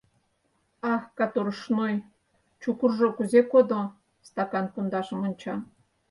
— Ах, катурушной, чукыржо кузе кодо? — стакан пундашым онча.